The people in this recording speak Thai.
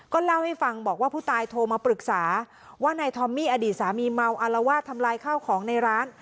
เล่าให้ฟังบอกว่าผู้ตายโทรมาปรึกษาว่านายทอมมี่อดีตสามีเมาอารวาสทำลายข้าวของในร้าน